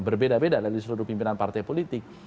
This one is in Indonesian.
berbeda beda dari seluruh pimpinan partai politik